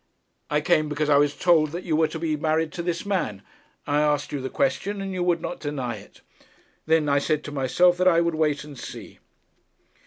'I came because I was told that you were to be married to this man. I asked you the question, and you would not deny it. Then I said to myself that I would wait and see.'